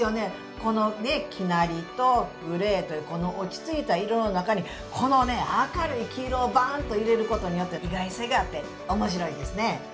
この生成りとグレーという落ち着いた色の中にこのね明るい黄色をバーンと入れることによって意外性があって面白いですね。